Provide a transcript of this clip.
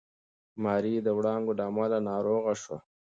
ماري د وړانګو له امله ناروغه شوه.